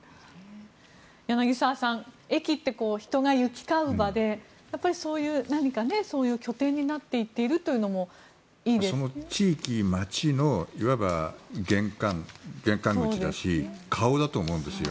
柳澤さん、駅って人が行き交う場でやっぱりそういう拠点になっているというのもその地域、街の玄関口だし顔だと思うんですよ。